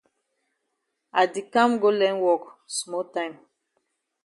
I di kam go learn wok small time.